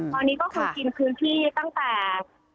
ตอนนี้ก็คงกินพื้นที่ตั้งแต่